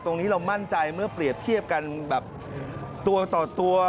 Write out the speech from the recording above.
ตรงนี้เรามั่นใจเมื่อเปรียบเทียบกันแบบตัวต่อตัว